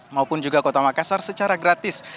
maupun juga kota makassar secara gratis